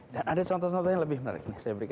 dan ada contoh contoh yang lebih menarik